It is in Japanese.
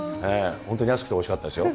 本当に安くておいしかったですよ。